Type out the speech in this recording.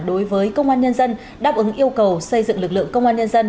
đối với công an nhân dân đáp ứng yêu cầu xây dựng lực lượng công an nhân dân